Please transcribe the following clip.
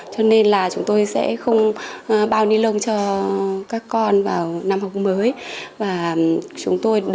cho nên là chúng tôi sẽ không bao ni lông cho các con vào năm học mới